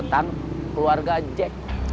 keluarga otan keluarga jack